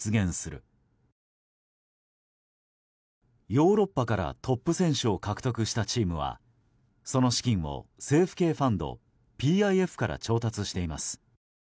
ヨーロッパからトップ選手を獲得したチームはその資金を政府系ファンドＰＩＦから調達しています。